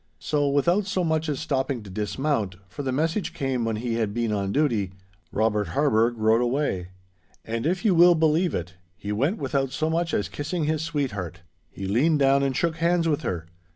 So, without so much as stopping to dismount, for the message came when he had been on duty, Robert Harburgh rode away. And if you will believe it, he went without so much as kissing his sweetheart. He leaned down and shook hands with her!